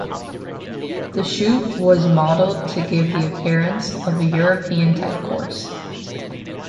The chute was modeled to give the appearance of a European-type course.